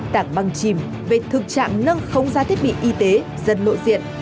đảng băng chìm về thực trạng nâng không giá thiết bị y tế dân nội diện